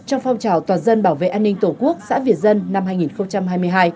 trong phong trào toàn dân bảo vệ an ninh tổ quốc xã việt dân năm hai nghìn hai mươi hai